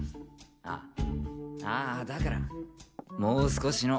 あああぁだからもう少しの。